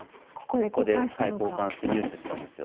ここで交換して入手したんですよ。